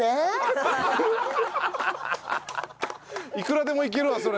いくらでもいけるわそれ。